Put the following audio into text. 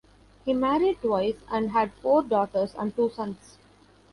He married twice and had four daughters and two sons.